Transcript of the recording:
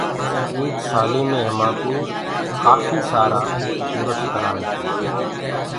ايڪ سآليٚ مي همآ ڪوٚ ڪاڦيٚ سآرآ ڪورس ڪرآن تي۔